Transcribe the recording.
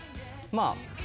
まあ。